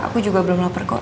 aku juga belum lapar kok